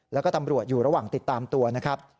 แล้วก็ตำรวจอยู่ระหว่างติดตามตัวนะครับ